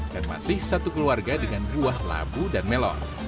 dan masih satu keluarga dengan buah labu dan melon